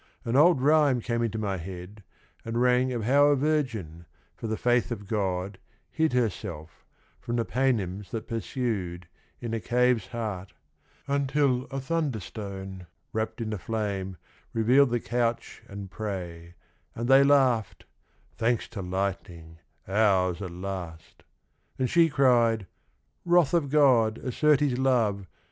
An old rhyme came into my head and rang Of how a virgin, for the faith of God, Hid herself, from the Paynims that pursued, In a cave's heart; until a thunderstone, Wrapped in a flame, revealed the couch and prey And they laughed — 'Thanks to lightning, ours at last 1 ' And she cried 'Wrath of God, assert His love